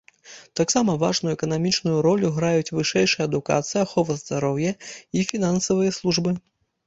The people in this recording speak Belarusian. Таксама важную эканамічную ролю граюць вышэйшая адукацыя, ахова здароўя і фінансавыя службы.